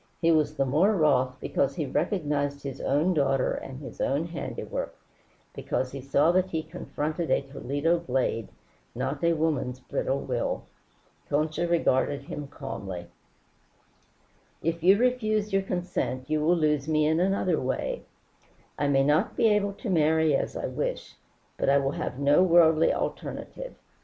He was the more wroth because he recognized his own daughter and his own handiwork, because he saw that he confronted a Toledo blade, not a woman's brittle will. Concha regarded him calmly. "If you refuse your consent you will lose me in another way. I may not be able to marry as I wish, but I will have no worldly alternative.